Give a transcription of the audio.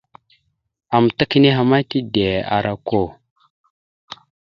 Amətak nehe ma tide ara okko.